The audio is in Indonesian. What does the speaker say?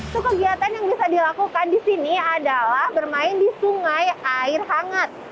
sekegiatan yang bisa dilakukan di sini adalah bermain di sungai air hangat